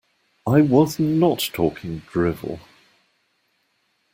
I was not talking drivel.